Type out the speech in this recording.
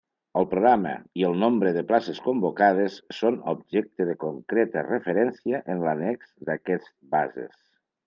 El programa i el nombre de places convocades són objecte de concreta referència en l'annex d'aquests bases.